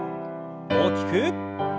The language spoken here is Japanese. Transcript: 大きく。